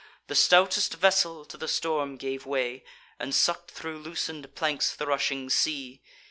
The stoutest vessel to the storm gave way, And suck'd thro' loosen'd planks the rushing sea.